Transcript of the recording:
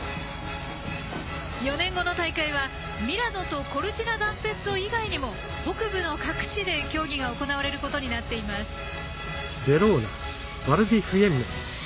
４年後の大会は、ミラノとコルティナダンペッツォ以外にも北部の各地で競技が行われることになっています。